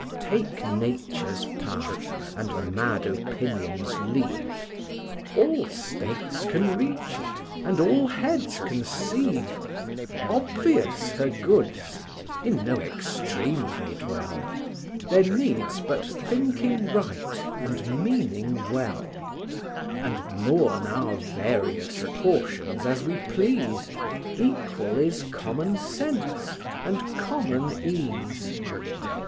Take Nature's path, and mad opinions leave; All states can reach it, and all heads conceive; Obvious her goods, in no extreme they dwell; There needs but thinking right, and meaning well; And mourn our various portions as we please, Equal is common sense, and common ease.